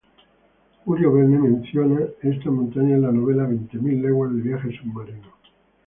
Julio Verne menciona esta montaña en la novela "Veinte mil leguas de viaje submarino".